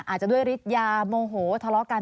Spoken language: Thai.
อาจจะด้วยฤทยาโมโหทะเลาะกัน